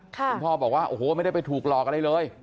คุณพ่อบอกว่าโอ้โหไม่ได้ไปถูกหลอกอะไรเลย